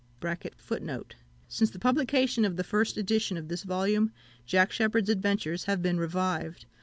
Since the publication of the first edition of this volume, Jack Sheppard's adventures have been revived.